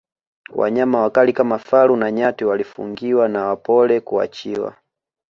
wanyama wakali kama faru na nyati walifungiwa na wapole kuachiwa